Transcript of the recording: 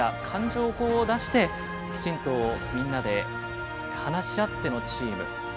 感情を出してきちんとみんなで話し合ってのチーム。